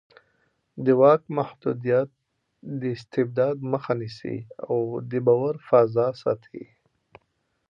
د واک محدودیت د استبداد مخه نیسي او د باور فضا ساتي